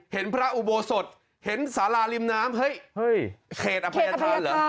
เห็นพระอุโบสถเห็นสาราริมน้ำเฮ้ยเขตอภัยธานเหรอ